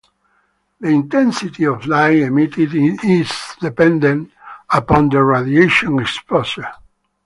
The intensity of light emitted is dependent upon the radiation exposure.